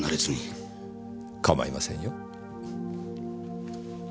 かまいませんよ。